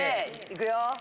いくよ。